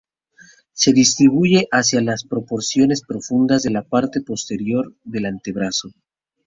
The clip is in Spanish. Se distribuye hacia las porciones profundas de la parte posterior del antebrazo.